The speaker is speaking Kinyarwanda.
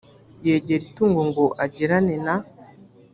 yegera itungo ngo agirane na